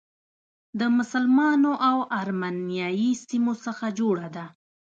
د مسلمانو او ارمنیایي سیمو څخه جوړه ده.